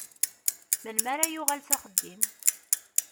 Melmi ara yuɣal s axeddim?